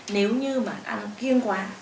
nếu như mà ăn kiên quả